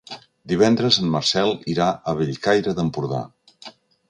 Divendres en Marcel irà a Bellcaire d'Empordà.